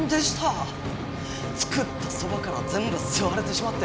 つくったそばからぜんぶすわれてしまって！